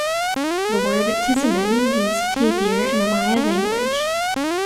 The word "Tizimin" means "tapir" in the Maya language.